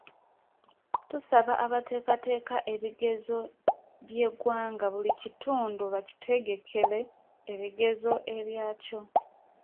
Tusaba abateekateeka ebigezo by'eggwanga buli kitundu bakitegekere ebigezo ebyakyo.